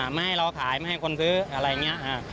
ไม่ให้เราขายไม่ให้คนซื้ออะไรอย่างนี้